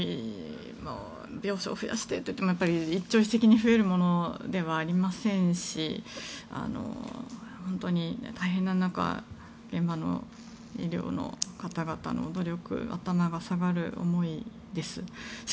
病床増やすといっても一朝一夕に増えるものではありませんし大変な中、現場の医療の方々の努力には頭が下がる思いです。